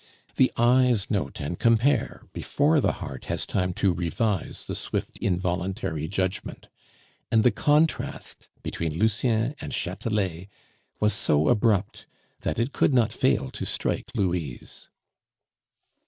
The eyes note and compare before the heart has time to revise the swift involuntary judgment; and the contrast between Lucien and Chatelet was so abrupt that it could not fail to strike Louise.